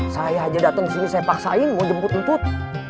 saya aja dateng sini saya paksain mau jemput jemput